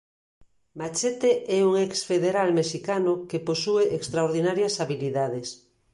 Machete é un ex federal mexicano que posúe extraordinarias habilidades.